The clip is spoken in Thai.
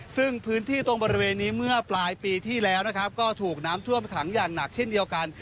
ซึ่งพื้นที่ตรงบริเวณนี้เมื่อปลายปีที่แล้วนะครับก็ถูกน้ำท่วมขังอย่างหนักเช่นเดียวกัน